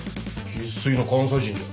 生粋の関西人じゃ。